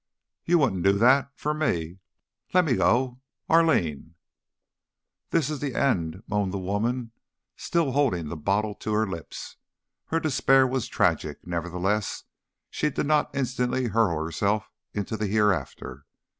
You wouldn't do that? For me? Lemme go. Arline " "This is the end," moaned the woman, still holding the bottle to her lips. Her despair was tragic; nevertheless, she did not instantly hurl herself into the hereafter.